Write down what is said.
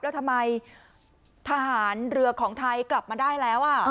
แล้วทำไมทหารเรือของไทยกลับมาได้แล้ว